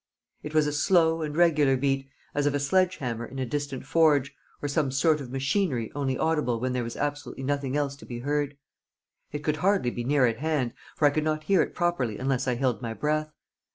It was a slow and regular beat, as of a sledge hammer in a distant forge, or some sort of machinery only audible when there was absolutely nothing else to be heard. It could hardly be near at hand, for I could not hear it properly unless I held my breath.